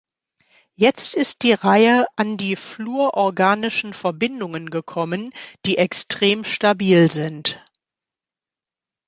Jetzt ist die Reihe an die fluororganischen Verbindungen gekommen, die extrem stabil sind.